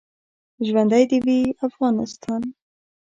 ژوندی دې وي افغانستان.